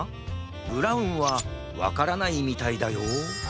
ブラウンはわからないみたいだよ